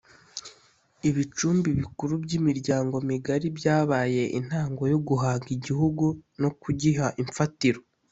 Ibicumbi bikuru by’imiryango migari byabaye intango yo guhanga igihugu no kugiha imfatiro